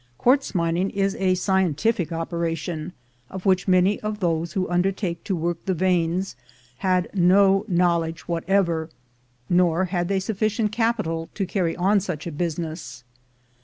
Quartz mining is a scientific operation, of which many of those who undertook to work the veins had no knowledge whatever, nor had they sufficient capi tal to carry on such a business.